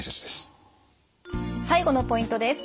最後のポイントです。